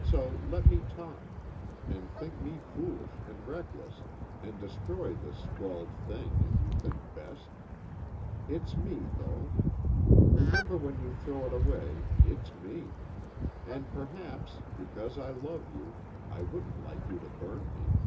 So let me talk, and think me foolish and reckless, and destroy this scrawled thing if you think best. It's me, though. Remember when you throw it away, it's me. And perhaps (because I love you) I wouldn't like you to burn me.